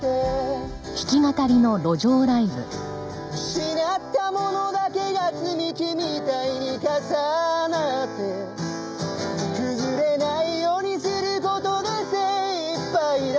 「失ったものだけが積み木みたいに重なって」「崩れないようにすることで精一杯だ」